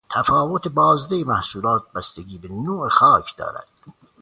تفاوت بازده محصولات بستگی به نوع خاک دارد.